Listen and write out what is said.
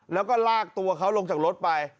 แล้วก็ลากตัวเขาลงจากรถไป